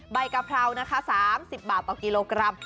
กะเพรานะคะ๓๐บาทต่อกิโลกรัม